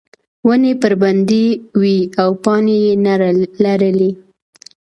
ونې بربنډې وې او پاڼې یې نه لرلې.